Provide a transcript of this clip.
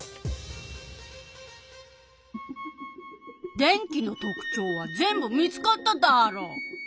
電気の特ちょうは全部見つかったダーロ。